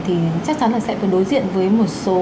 thì chắc chắn là sẽ phải đối diện với một số